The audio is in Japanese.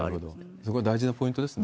そこは大事なポイントですよね。